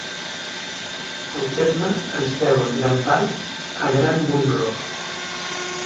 El terme es deu en gran part a Grant Munro.